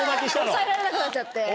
抑えられなくなっちゃって。